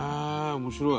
面白い。